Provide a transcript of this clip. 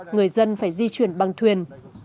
người dân phải di chuyển bằng thuyền